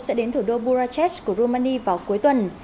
sẽ đến thủ đô burachech của romania vào cuối tuần